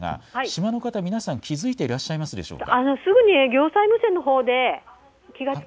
島の方、皆さん気付いていらっしゃいますでしょうか。